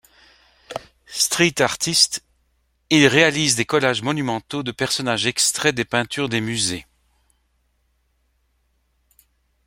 Street artiste, il réalise des collages monumentaux de personnages extraits des peintures des musées.